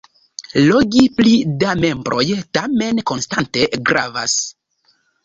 Logi pli da membroj tamen konstante gravas.